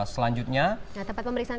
selanjutnya tempat pemeriksaan